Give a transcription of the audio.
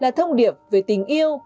là thông điệp về tình yêu